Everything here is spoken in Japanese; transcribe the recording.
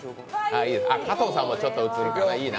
加藤さんもちょっと映るから、いいな。